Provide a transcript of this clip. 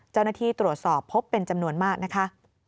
เจ้าหน้าที่ตรวจสอบพบเป็นจำนวนมากนะคะ